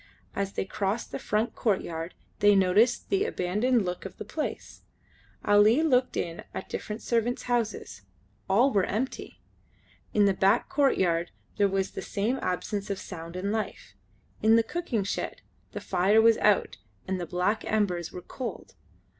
As they crossed the front courtyard they noticed the abandoned look of the place. Ali looked in at the different servants' houses: all were empty. In the back courtyard there was the same absence of sound and life. In the cooking shed the fire was out and the black embers were cold.